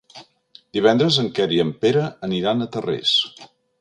Divendres en Quer i en Pere aniran a Tarrés.